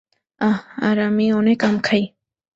আহ, আর আমি অনেক আম খাই।